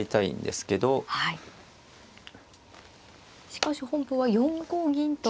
しかし本譜は４五銀と。